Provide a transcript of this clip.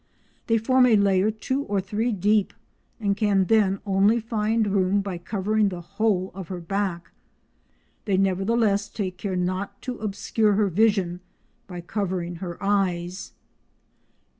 They form a layer two or three deep, and can then only find room by covering the whole of her back. They nevertheless take care not to obscure her vision by covering her eyes.